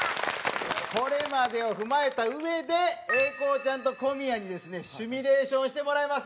これまでを踏まえた上で英孝ちゃんと小宮にですねシミュレーションしてもらいます。